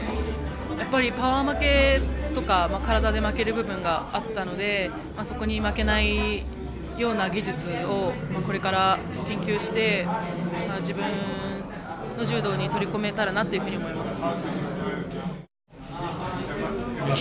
やはりパワー負けとか体で負ける部分があったのでそこに負けないような技術をこれから研究して自分の柔道に取り込めたらと思います。